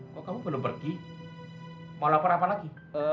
kok kamu belum pergi mau lapar apa lagi